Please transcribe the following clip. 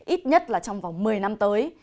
ít nhất là trong vòng một mươi năm tới